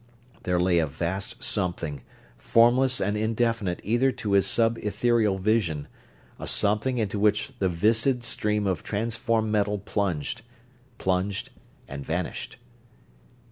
There lay a vast something, formless and indefinite even to his sub ethereal vision; a something into which the viscid stream of transformed metal plunged. Plunged, and vanished.